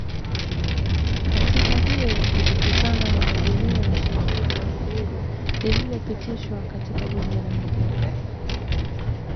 Katiba hiyo ilitokana na azimio la sheria ya uhuru lililopitishwa katika bunge la uingereza